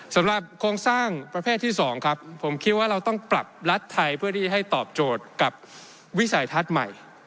สำหรับโครงสร้างประเภทที่๒ครับผมคิดว่าเราต้องปรับรัฐไทยเพื่อที่จะให้ตอบโจทย์กับวิสัยทัศน์ใหม่